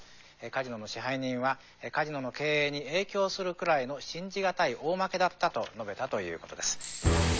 カジノの支配人はカジノの経営に影響するくらいの信じ難い大負けだったと述べたということです。